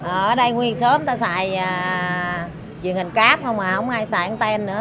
ở đây nguyên số người ta xài truyền hình cáp mà không ai xài anten nữa